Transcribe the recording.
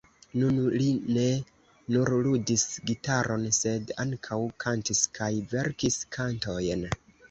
Nun li ne nur ludis gitaron, sed ankaŭ kantis kaj verkis kantojn.